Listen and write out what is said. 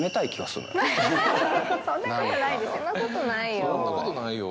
そんなことないですよ。